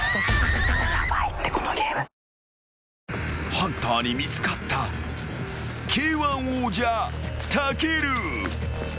［ハンターに見つかったＫ−１王者武尊］